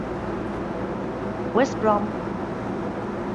West Brom